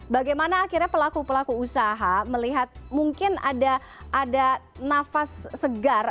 bagaimana akhirnya pelaku pelaku usaha melihat mungkin ada nafas segar